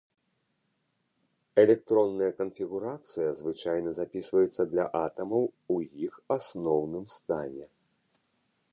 Электронная канфігурацыя звычайна запісваецца для атамаў ў іх асноўным стане.